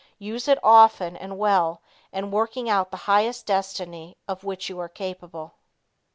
Use it often and well, in working out the highest destiny of which you are capable.